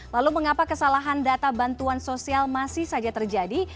lalu mengapa kesalahan data bantuan sosial masih saja terjadi